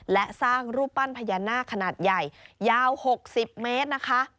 และสร้างรูปปั้นพญานาคขนาดใหญ่ยาว๖๐เมตรนะคะ